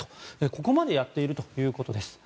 ここまでやっているということです。